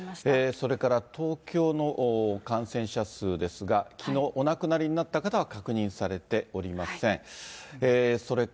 それから東京の感染者数ですが、きのうお亡くなりになった方は確認されておりません。